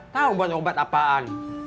tahu buat obat apaan